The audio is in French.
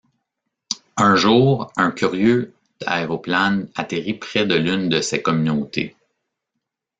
Un jour, un curieux aéroplane atterrit près de l'une de ces communautés.